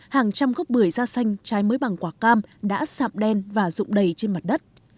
hàng trăm gốc bưởi da xanh trái mới bằng quả cam đã sạm đen và rụng đầy trên mặt đất